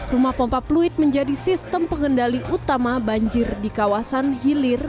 rumah pompa fluid menjadi sistem pengendali utama banjir di kawasan hilir